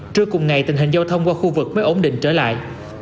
trưa cùng ngày tình hình giao thông qua khu vực mới ổn định trở lại